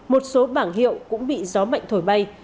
một số bảng hiệu cũng bị gió mạnh thổi bay